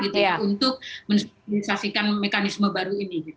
untuk mensosialisasikan mekanisme baru ini